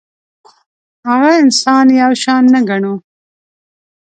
هغه انسان یو شان نه ګڼو.